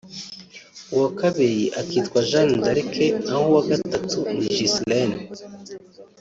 uwa kabiri akitwa Jeanne d’Arc naho uwa gatatu ni Giselene